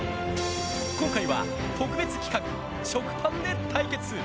今回は特別企画、食パンで対決！